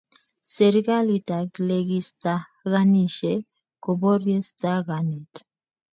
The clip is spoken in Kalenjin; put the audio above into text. serikalit ak lekistakanishe koporie stakanet